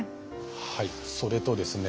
はいそれとですね